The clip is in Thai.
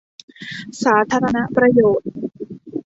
สาธารณประโยชน์